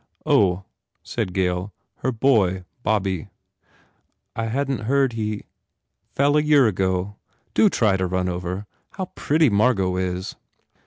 "Oh," said Gail, "her boy Bobby." "I hadn t heard he "Fell a year ago. Do try to run over. ... How pretty Margot is